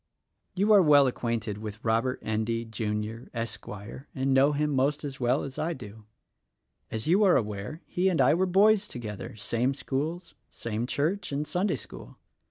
You are well acquainted with Robert Endy, Jr., Esquire, and know him most as well as I do. As you are aware, he' and I were boys together; same schools, "same church and Sunday school.